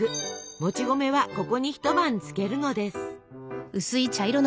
もち米はここに一晩つけるのです。